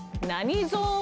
Ｉゾーン。